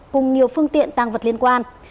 cùng nhiều phương tiện tăng vật liên quan